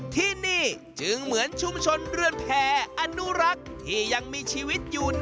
ที่นี่จึงเหมือนชุมชนเรือนแผ่อนุรักษ์ยังมีชีวิตอยู่นั่นเอง